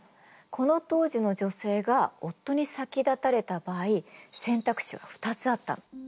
この当時の女性が夫に先立たれた場合選択肢は２つあったの。